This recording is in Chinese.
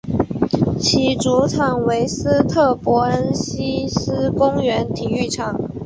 其主场为斯特伯恩希思公园体育场。